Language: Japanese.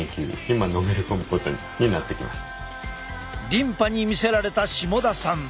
リンパに魅せられた下田さん。